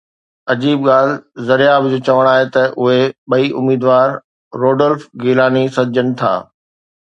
عجيب ڳالهه زرياب جو چوڻ آهي ته اهي ٻئي اميدوار روڊولف گيلاني سڏجن ٿا